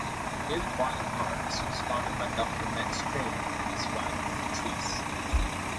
Idyllwild Arts was founded by Doctor Max Krone and his wife, Beatrice.